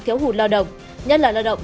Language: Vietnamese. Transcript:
thiếu hụt lao động nhất là lao động